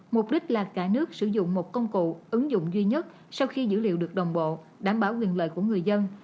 mục đích là cả nước sử dụng một công cụ ứng dụng duy nhất sau khi dữ liệu được đồng bộ đảm bảo quyền lợi của người dân